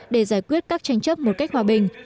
để giải quyết các tranh chấp một cách hòa bình